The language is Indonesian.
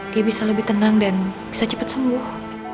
dia bisa lebih tenang dan bisa cepat sembuh